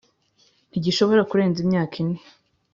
Ntigishobora Kurenza Imyaka Ine